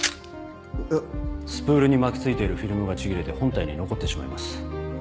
スプールに巻き付いているフィルムがちぎれて本体に残ってしまいます。